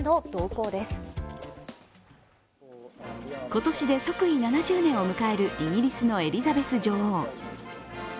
今年で即位７０年を迎えるイギリスのエリザベス女王。